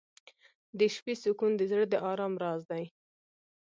• د شپې سکون د زړه د ارام راز دی.